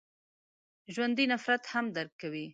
ژوندي نفرت هم درک کوي